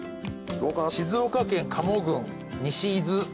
静岡県賀茂郡西伊豆。